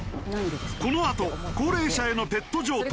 このあと高齢者へのペット譲渡。